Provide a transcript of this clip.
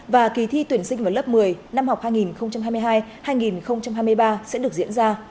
và kỳ thi tuyển sinh vào lớp một mươi năm học hai nghìn hai mươi hai hai nghìn hai mươi ba sẽ được diễn ra